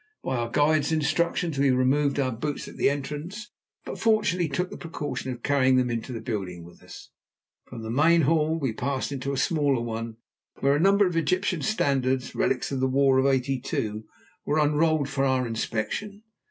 By our guide's instructions we removed our boots at the entrance, but fortunately took the precaution of carrying them into the building with us. From the main hall we passed into a smaller one, where a number of Egyptian standards, relics of the war of '82, were unrolled for our inspection.